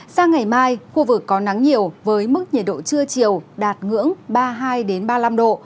sang ngày mai khu vực có nắng nhiều với mức nhiệt độ trưa chiều đạt ngưỡng ba mươi hai ba mươi năm độ